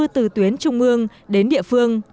từ tuyến trung ương đến địa phương